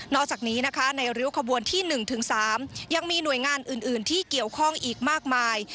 อกจากนี้นะคะในริ้วขบวนที่๑๓ยังมีหน่วยงานอื่นที่เกี่ยวข้องอีกมากมาย